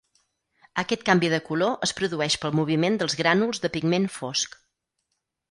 Aquest canvi de color es produeix pel moviment dels grànuls de pigment fosc.